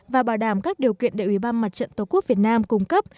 và bảo đảm các điều kiện để ủy ban mặt trận tổ quốc việt nam cung cấp